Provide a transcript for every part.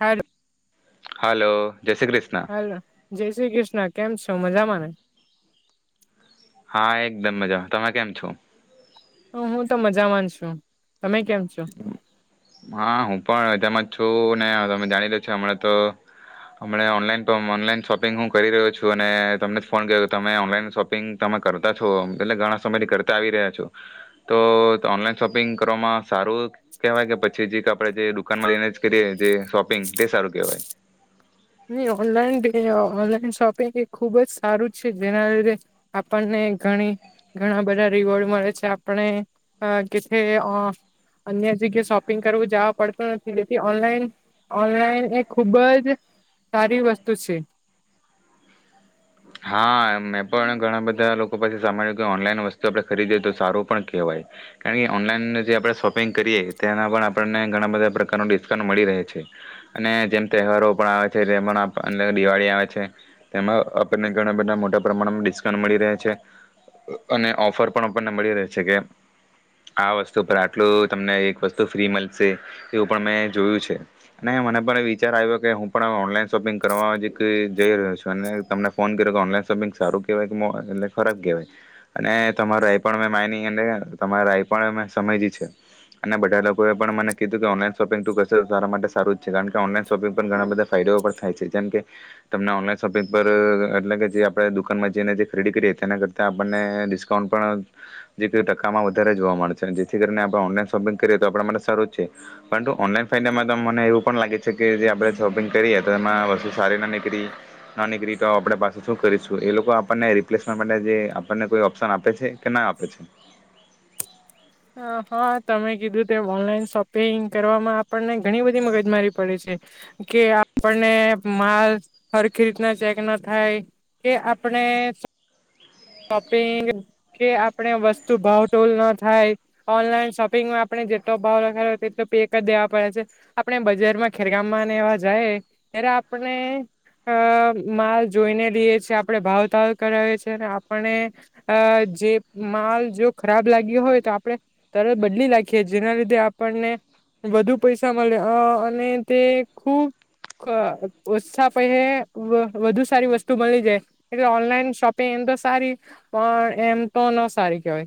Hello hello જય Shri Krishna hello જય શ્રી કૃષ્ણ કેમ છ મજામાંને? હા એકદમ મજા તમે કેમ છો? હ હું તો મજા મા છું. તમે કેમ છો? હા હું પણ મજામાં જ છું ને તમે જાણી રહિયા છો, હમણાં તો હમણા ઓનલાઈન પણ ઓનલાઈન શોપિંગ હું કરી રહ્યો છું. અને તમને જ ફોન ક્યો કે તમે ઓનલાઈન શોપિંગ તમે કરતા છો એટલે ઘણા સમયથી કરતા આવી રહ્યા છું, તો ઓનલાઈન શોપિંગ કરવામાં સારું કહેવાય કે પછી છે જે કે આપડે જે દુકાનમાં જઈને જ કરીએ તે શોપિંગ તે સારું કેહેવાય ઓનલાન ઓનલાઈન શોપિંગ એ ખૂબ જ સારું છે જેના લીધે આપણને ઘણી ઘણા બધા રિવોર્ડ મળે છે આપણે કે અન્ય જગ્યાએ શોપિંગ કરવું જવા પડતું નથી તેથી ઓનલાન ઓનલાઈન એ ખૂબ જ સારી વસ્તુ છે. હા મેં પણ ઘણા બધા લોકો પાછી સાંભળ્યું કે ઓનલાઈન વસ્તુ આપણે ખરીદીએ તો સારું પણ કહેવાય કારણ કે ઓનલાઈન જે આપણે શોપિંગ કરીએ તેના પણ આપણને ઘણા બધા પ્રકારનો ડિસ્કાઉન્ટ મળી રહે છે અને જેમ તહેવારો પણ આવે છે જેમ પણ દિવાળી આવે છે તેમાં અ ઘણા બધા મોટા પ્રમાણમાં ડિસ્કાઉન્ટ મળી રહે છે અને ઓફર પણ આપણને મળી રહે છે કે આ વસ્તુ પર આટલું તમને એક વસ્તુ ફ્રી મળશે એવું પણ મેં જોયું છે અને મને પણ વિચાર આવ્યો કે હું પણ ઓનલાઈન શોપિંગ કરવા જઈ રહ્યો છું અને તમને ફોન કર્યો કે ઓનલાઈન શોપિંગ સારું કહેવાય કે એટલે ખરાબ કહેવાય અને તમારું એ પણ મેં માની અને તમારા એ પણ મેં સમયજી છે અને બધા લોકોએ પણ મને કીધું કે ઓનલાઈન શોપિંગ તું કરશે સારા માટે સારું જ છે કારણ કે ઓનલાઈન શોપિંગ પણ ઘણા બધા ફાયદાઓ પણ થાય છે જેમ કે તમને ઓનલાઈન શોપિંગ પર. એટલે કે જે આપણે દુકાનમાં જઈને જે ખરીદી કરીએ તેના કરતાં આપણને ડિસ્કાઉન્ટ પણ જેતે ટકામાં વધારે જોવા મળશે જેથી કરીને આપણે ઓનલાઈન શોપિંગ કરીએ તો આપણા માટે સારું જ છે પરંતુ ઓનલાઈન ફાયદામાં તો મને એવું પણ લાગે છે જે આપણે શોપિંગ કરીએ તો એમાં વસ્તુ સારી ના નીકળી ન નીકળી તો. આપડે પાસા શું કરીશું એ લોકો આપણને રિપ્લેસમેન્ટ માટે જે આપણને કોઈ ઓપ્શન આપે છે કે ના આપે છે. હા તમે કીધું તે ઓનલાઈન શોપિંગ કરવામાં આપણને ઘણી બધી મગજ મારી પડે છે કે આપણને માલ હરખી રીતના ચેક ના થાય કે આપણે. શોપિંગ કે આપણે વસ્તુ ભાવટોલ ના થાય ઓનલાઈન શોપિંગમાં આપણે જેટલો ભાવ લખાવો તેટલો પે કરી દેવા પડે છે. આપણે બજારમાં ખેરગામમાંને એવા જાય ત્યારે આપણે માલ જોઈને લિએ છીએ આપણે ભાવ તાલ કરાવીએ છીએ. આપણે આ જે માલ જો ખરાબ લાગ્યો હોય તો આપણે તરત બદલી નાખીએ જેના લીધે આપણને વધુ પૈસા મળે અને તે ખુબ ઓછા પૈસા વધુ સારી વસ્તુ મળી જાય એટલે ઓનલાઈન શોપિંગ એમ તો. સારી પણ એમ તો ન સારી કેહેવાય.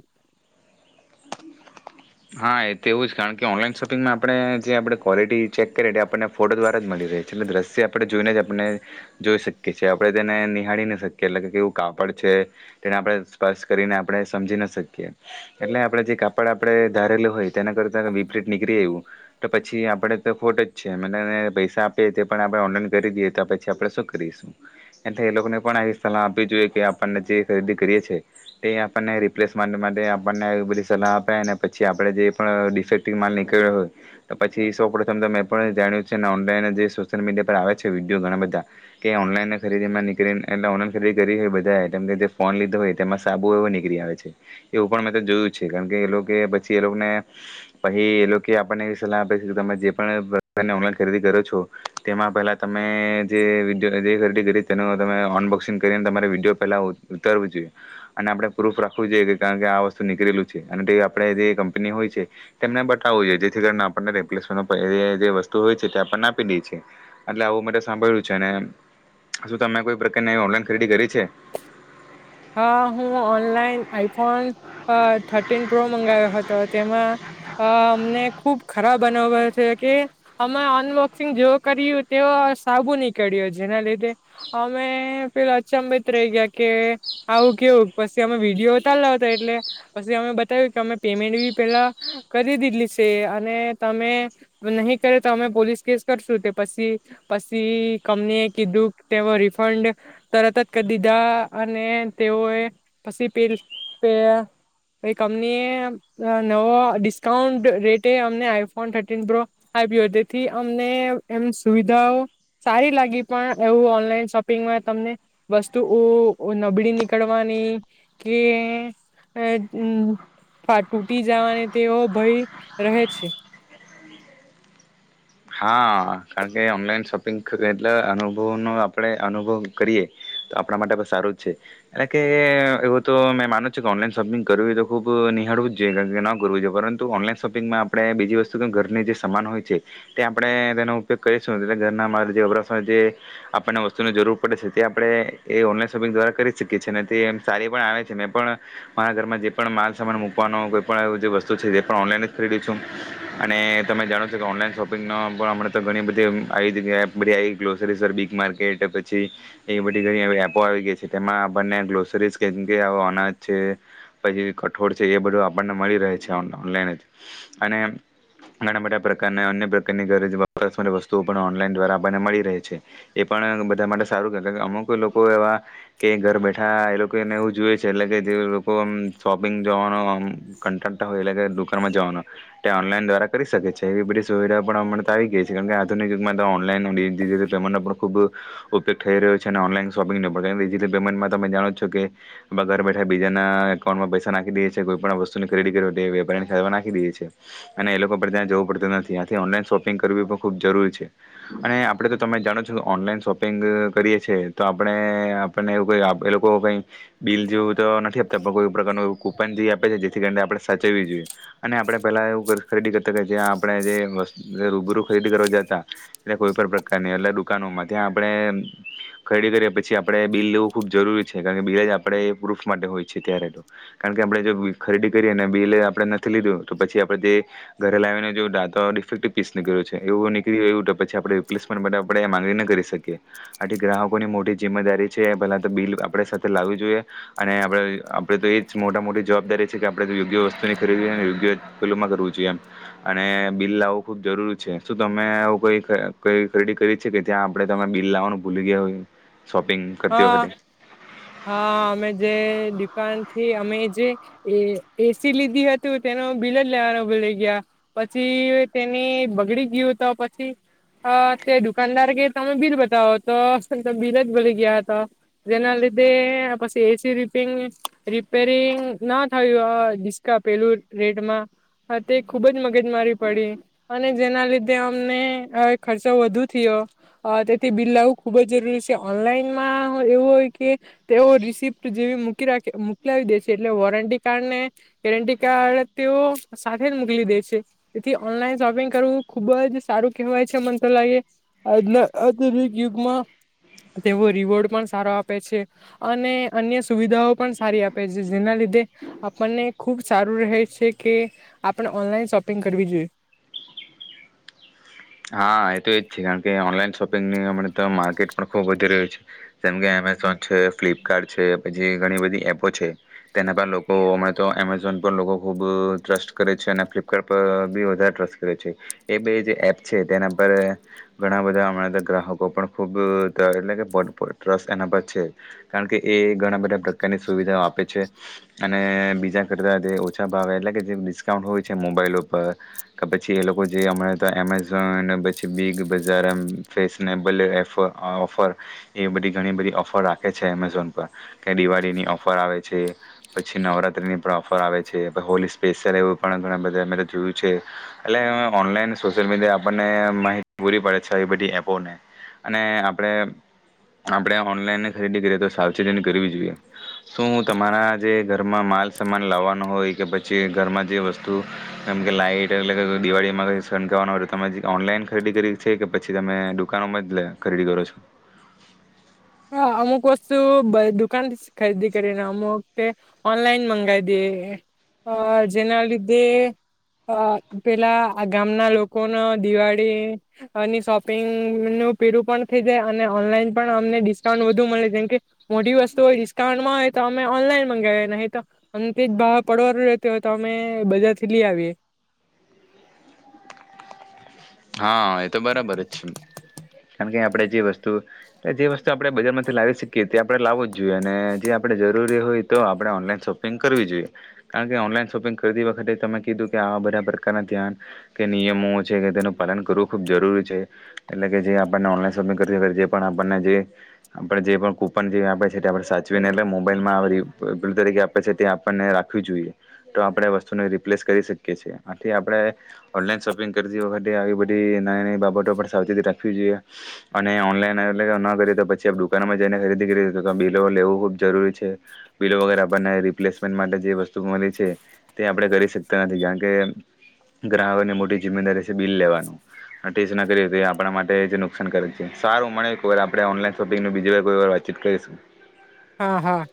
હા એ તો એવું જ કારણ કે ઓનલાઈન શોપિંગમાં આપણે જે આપણે ક્વૉલિટી ચેક કરીતે આપણને ફોટો દ્વારા જ મળી રહી છે એટલે દ્રશ્ય આપણે જોઈને જ આપણને જોઈ શકીએ છીએ આપણે તેને નિહાળી ન શકીએ એટલે કે કેવું કાપડ છે તેને આપણે સ્પર્શ કરીને આપણે સમજીન શકીએ એટલે આપણે જે કાપડ આપડે. ધારેલું હોય તેના કરતા વીપરીત નીકળી આયવુ તો પછી આપણે તો ખોટ જ છે [inaudible] પૈસા આપીએ તે પણ આપણે ઓનલાઈન કરી દઈએ તો પછી આપણે શું કરીશું એટલે એ લોકોને પણ આવી સલાહ આપવી જોઈએ કે આપણને જે ખરીદી કરીએ છે તે આપણને રિપ્લેસમેન્ટ માટે આપણને એ બધી સલાહ આપે અને પછી આપણે જે પણ ડિફેક્ટિવ માલ નીકળ્યો હોય તો પછી સૌ પ્રથમ તો મેં પણ જાણ્યું છે ને ઓનલાઈન જે સોશિયલ મીડિયા પર આવે છે વિડીયો ઘણા બધા કે ઓનલાઈન ખરીદીમાં નીકળીને એટલે ઓનલાઈન ખરીદી કરી હોય બધાએ કે જે ફોન લીધો હોય તેમાં સાબુ એવો નીકળી આવે છે એવું પણ મેં તો જોયું છે કારણ કે એ લોક કે પછી એ લોકને પછી એ લોકે આપણને સલાહ આપે છે કે તમે જે પણ પ્રકારની ઓનલાઈન ખરીદી કરો છો તેમાં પહેલા તમે જે [inaudible] ખરીદી કરી તેનું તમે અનબોક્સિંગ કરીને તમારે વિડીયો પહેલા ઉતારવું જોઈએ અને આપણે પ્રૂફ રાખવું જોઈએ કે કારણ કે આ વસ્તુ નીકળેલું છે અને તે આપ આપણે જે કંપની હોય છે તેમને બતાવવું જોઈએ જેથી કરી આપણને રિપ્લેસમેન્ટ [inaudible] વસ્તુ હોય છે તે આપણને આપી દે છે એટલે આવું મેં તો સાંભળ્યું છે અને શું તમે કોઈ પ્રકારની ઓનલાઈન ખરીદી કરી? છે હા હું ઓનલાઈન આઈ. ફોન અ થર્ટીન પ્રો મંગાવ્યો હતો જેમાં અમને ખુબ ખરાબ અનુભવ છે કે અમે અનબોક્સિંગ જેવ કર્યું તેવો સાબુ નીકળ્યો જેના લીધે અમે પેલો અચંબીત. રહી ગયા કે આવું કેવું પછી અમે વિડીયો ઉતારેલો હતો એટલે પસી અમે બતાયવુ કે અમે પેમેન્ટ બી પેલા કરી દીધલી સે અને તમે નહી કર તો અમે પોલીસ કેસ કરશું તે પસી પસી કંપની એ કીધું તેનો રિફંડ તરત જ. કર દીધા અને તેઓએ પસી પે પે એ કંપનીએ નવો ડિસ્કાઉન્ટ રેટે અમને આઈફોન થર્ટીન પ્રો આયપ્યો. તેથી અમને એમ સુવિધાઓ સારી લાગી, પણ એવું ઓનલાઈન શોપિંગમાં તમને વસ્તુઓ ઓ નબળી નીકળવાની, કે અં ફા ટૂટી જાવાની તેવો ભય રહે છે. હા. કારણકે ઓનલાઈન શોપિંગ કર એટલે અનુભવનો આપણે અનુભવ કરીએ, તો આપણા માટે બ સારું જ છે. એટકે એવું તો મેં માનું છુ કે ઓનલાઈન શોપિંગ કરવું હોય તો ખૂબ નિહાળવું જ જોઈએ. [unintelligible] ના કરવું જોઈએ, પરંતુ ઓનલાઈન શોપિંગમાં આપણે બીજી વસ્તુ કેમ ઘરની જે સામાન હોય છે તે આપણે તેનો ઉપયોગ કરીશું, ઘરના મારા જે વપરાશમાં જે આપણને વસ્તુની જરૂર પડે છે તે આપણે એ ઓનલાઈન શોપિંગ દ્વારા કરી જ શકીએ છે, અને તે એમ સારી પણ આવે છે. મેં પણ, મારા ઘરમાં જે પણ માલસામાન મૂકવાનો કોઈ પણ આવીબધી જે વસ્તુ છે તે પણ ઓનલાઈન જ ખરીદું છું, અને તમે જાણો છો કે ઓનલાઈન શો પિંગનો પણ અમણાંતો ઘણી બધી એમ આવી બધી એપ, ગ્લોસરી, સર બીગ માર્કેટ પછી એ બધી ઘણી આવી એપો આવી ગઈ છે, તેમાં આપણને ગ્લોસરી કે કે અનાજ છે, પછી કઠોળ છે એ બધું આપણને મળી રહે છે ઓન ઓનલાઈન જ. અને ઘણા બધા પ્રકારના અન્ય પ્રકારની ઘરે જ વપરાસ માટે વસ્તુઓ પણ ઓનલાઈન દ્વારા આપણને મળી રહે છે. એ પણ બધા માટે સારું કે કે અમુક લોકો એવા કે ઘર બેઠા એ લોકોને એવું જોઈએ છે એટલે કે જે લોકોમ શોપિંગ જવાનોમ કંટાળતા હોય એટલે કે દુકાનમાં જવાનો, તે ઓનલાઈન દ્વારા કરી શકે છે. એવી બધી સુવિધા [unintelligible] માટે તો આવી ગઈ છે, કેમકે આધુનિક યુગમાં તો ઓનલાઇન અને ડિજિટલ પેમેન્ટ નો પણ ખુબ ઉપયોગ થઈ રહ્યો છે, અને ઓનલાઇન શોપિંગમાં [unintelligible] ડિજિટલ પેમેન્ટમાં તમે જાણો જ છો કે, ઘર બેઠા બીજાના એકાઉન્ટમાં પૈસા નાખી દઈયે છે, કોઈ પણ વસ્તુની ખરીદી કર તે વેપારીના ખાતામાં નાખી દઈએ છીએ, અને એ લોકો પણ ત્યાં જવું પડતું નથી. થી ઓનલાઈન શોપિંગ કરવી પણ ખૂબ જરૂરી છે, અને આપણે તો તમે જાણો છો ઓનલાઈન શોપિંગ કરીએ છીએ તો આપણે ણને એવું કોઈ આપણે લોકો કઈ બિલ જેવું તો નથી આપતા, પણ કોઈ પ્રકારનું કુપન જે આપે છે તેથી કરીને આપણે સાચવવી જોઈએ. અને આપણે પેલા એવું ખરીદી કરતા કે જ્યાં આપણે જે વ અ રૂબરૂ ખરીદી કરવા જાતા, જ્યાં કોઈ પણ પ્રકારની એટલે દુકાનોમાં, ત્યાં આપણે ખરીદી કરીએ પછી આપડે બિલ લેવું ખુબ જરૂરી છે, કારણ કે બિલ જ આપણે પ્રુફ માટે હોય છે ત્યારે તો. કારણ કે આપણે જો ખરીદી કરીએ ને બિલ જ આપણે નથી લીધું, તો પછી તે આપણેે ઘરે લાવીને જોયું તો આ તો ડિફેક્ટિવ પીસ નીકળ્યો છે, એવું નીકળી ગયું તો પછી આપણે રિપ્લેસમેન્ટ માટે આપણે માંગણી ન કરી શકીએ. આથી ગ્રાહકોની મોટી જિમ્મેદારી છે, પેલા તો બિલ આપણે સાથે લાવવી જોઈએ, અને આપણે આપણે તો એ જ મોટા મોટી જવાબદારી છે કે આપણે જો યોગ્ય વસ્તુની ખરીદી એને યોગ્ય પેલુમાં કરવું જોઈએ એમ, અને બિલ લાવ વું ખુબ જરૂરી છે. શું તમે આવું કઈ કઈ ખરીદી કરી છે કે ત્યાં આપડે તમે બિલ લાવવાનું ભૂલી ગ્યા હોય શોપિંગ કરતી હા, વખતે હા, અમે જે દુકાન કે અમે જે એ એ સી લીધી હતું, તેનું બિલ જ લેવાનો ભુલી ગ્યા. પછી તેની બગડી ગ્યુ તો પછી અ તે દુકાનદાર કે તમે બિલ બતાવો, તો બિલ જ ભુલી ગ્યા તા, જેના લીધે, પછી એ સી રિપેરિંગ રિપેરિંગ ના થયું ડિસ્કા પેલું રેટમાં, તે ખૂબ જ મગજમારી પડી. અને જેના લીધે અમને હવે ખર્ચો વધુ થીયો, તેથી બિલ લાવવું ખુબ જ જરૂરી છે. ઓનલાઈન માં એવું હોય કે તેઓ રિસિપ્ટ જેવી મૂકી રાખે, મોકલાવી દે છે એટલે વોરંટી કાર્ડને ગેરટી કાર્ડ તેઓ સાથે જ મોકલી દે છે. તેથી ઓનલાઈન શોપિંગ કરવું ખુબ જ સારું કેહેવાય છે. મન તો લાગે આધુ આધુનિક યુગમાં તેવો રીવોર્ડ પણ સારો આપે છે, અને અન્ય સુવિધાઓ પણ સારી આપે છે, જેના લીધે આપણને ખૂબ સારું રહે છે, કે આપણે ઓનલાઈન શોપિંગ કરવી જોઈએ. હા એ તો એજ છે કારણ કે ઓનલાઈન શોપિંગની અમણાં તો માર્કેટ પણ ખૂબ વધી રહ્યું છે. જેમ કે એમેઝોન છે, ફ્લિપકાર્ટ છે, પછી ઘણી બધી એપો છે. તેના પર લોકો, અમણેં તો એમેઝોન પર લોકો ખૂબ ટ્રસ્ટ કરે છે અને ફ્લિપકાર્ટ પર બી વધારે ટ્રસ્ટ કરે છે. એ બે જ એપ છે, તેના પર ઘણા બધા હમણાં તો ગ્રાહકો પણ ખૂબ ત એટલે કે ટ્રસ્ટ એના પર છે, કારણ કે એ ઘણા બધા પ્રકારની સુવિધાઓ આપે છે, અને બીજા કરતાં તે ઓછા ભાવે એટલે કે જે ડિસ્કાઉન્ટ હોય છે મોબાઈલ ઉપર કે પછી એ લોકો જે હમણાં હતા તો એમે એમેઝોન પછી બિગ બજાર એમ ફેશનેબલ એફર ઓફર એ બધી ઘણી બધી ઓફર રાખે છે એમેઝોન પર. કે દિવાળીની ઓફર આવે છે, પછી નવરાત્રીની પણ ઓફર આવે છે, પછ હોલી સ્પેશિયલ એવું પણ ઘણા બધા અમે તો જોયું છે. એટલે ઓનલાઈન સોશિયલ મીડિયા આપણને આમ માહિતી પૂરી પડે છે, આવી બધી એપોને. અને આપણે આપણે ઓનલાઈન ખરીદી કરીએ તો સાવચેતી ને કરવી જોઈએ. શું તમારા જે ઘરમાં માલ સમાન લાવવાનો હોય કે પછી ઘરમાં જે વસ્તુ જેમ કે લાઈટ અલગ અલગ દિવાળીમાં તો [unintelligible] હોય તેમાંથી ઓનલાઈન ખરીદી કરી છે, કે પછી તમે દુકાનોમાં જ ખરીદી કરો છો? હ અમુક વસ્તુ બ દુકાનથી જ ખરીદી કરીને અમુકતે ઓનલાઈન મંગાય દે અ જેના લીધે અ પેલા આ ગામના લોકોનો દિવાળીની અને શોપિંગનું પેલુ પણ કે જે અને ઓનલાઈન પણ અમને ડિસ્ક કાઉન્ટ વધુ મળે. જેમ કે મોટી વસ્તુ હોય કાઉન્ટમાં હોય તો અમે ઓનલાઈન મંગાવીએ નહી તો અમથી જ [unintelligible] રહેત હોય તો અમે બજારથી લઈ આવીએ. હા એ તો બરાબર જ છે. કારણ કે આપણે જે વસ્તુ એ જે વસ્તુ આપણે બજારમાંથી લાવી શકીએ તે આપણે લાવું જ જોઈએ અને જે આપણે જરૂરી હોય તો આપણે ઓનલાઈન શોપિંગ કરવી જોઈએ કારણ કે ઓનલાઈન શોપિંગ કરતી વખતે તમે કીધું કે આવા બધા પ્રકારના ધ્યાન કે નિયમો છે કે તેનું પાલન કરવું ખૂબ જરૂરી છે. એટલે કે જે આપણને ઓનલાઈન શોપિંગ કરતી વખતે જે પણ આપણને જે આપણે જે પણ કૂપન જે આપે છે તે આપણે સાચવીને એટલે મોબાઈલમાં વરી બિલ તરીકે આપે છે તે આપણને રાખવી જોઈએ તો આપણે વસ્તુને રિપ્લેશ કરી શકીએ છીએ. આથી આપણે ઓનલાઈન શોપિંગ કરતી વખતે આવી બધી નાની નાની બાબતો પણ સાવચતી રાખવી જોઈએ અને ઓનલાઈન એટલે ન કરીએ તો પછી આપ દુકાનમાં જઈને ખરીદી કરી તો બિલો લેવું ખુબ જરૂરી છે. બિલો વગેરે આપણને રિપ્લેસમેન્ટ માટે જે વસ્તુ મળી છે તે આપણે કરી શકતા નથી કારણ કે ગ્રાહકોની મોટી જિમ્મેદારી બિલ લેવાનું. ટેસ્ટ ના કરે એ આપણા માટે જ નુકસાનકારક છે. સારું મળે કોઈ વાર આપડે ઓનલાઈન શોપિંગ બીજી વાર કોઈ વાર વાતચીત કરીશું. હા હા.